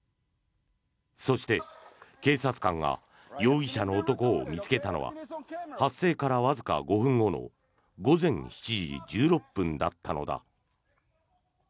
そして、警察官が容疑者の男を見つけたのは発生からわずか５分後の午前７時１６分だったのだ。